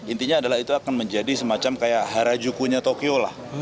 intinya adalah itu akan menjadi semacam kayak harajukunya tokyo lah